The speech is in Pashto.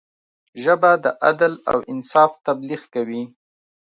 ژبه د عدل او انصاف تبلیغ کوي